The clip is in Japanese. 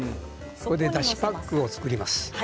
これでだしパックを作ります。